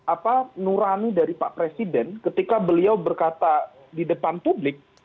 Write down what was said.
apa nurani dari pak presiden ketika beliau berkata di depan publik